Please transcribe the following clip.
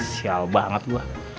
sial banget gua